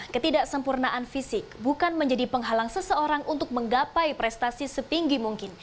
ketidaksempurnaan fisik bukan menjadi penghalang seseorang untuk menggapai prestasi setinggi mungkin